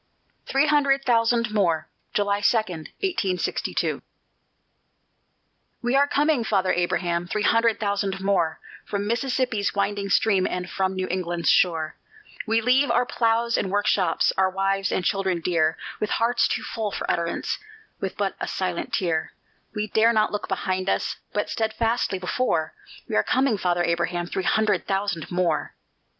THREE HUNDRED THOUSAND MORE [July 2, 1862] We are coming, Father Abraham, three hundred thousand more, From Mississippi's winding stream and from New England's shore; We leave our ploughs and workshops, our wives and children dear, With hearts too full for utterance, with but a silent tear; We dare not look behind us, but steadfastly before: We are coming, Father Abraham, three hundred thousand more!